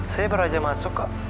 saya pernah aja masuk